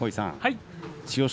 千代翔